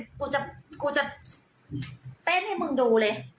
กูจะเต้นให้มึงดูเลย